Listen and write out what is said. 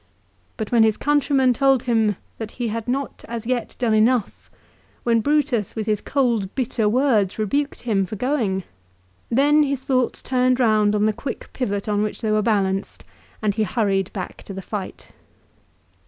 But when his countrymen told him that he had not as yet done enough, when Brutus, with his cold bitter words rebuked him for going, then his thoughts turned round on the quick pivot on which they were balanced, and he hurried back to the fight.